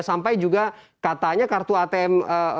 sampai juga katanya kartu atm